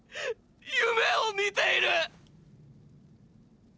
夢を見ている！！